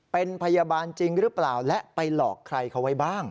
เป็นพยาบาลจริงหรือเปล่าและไปหลอกใครเขาไว้บ้าง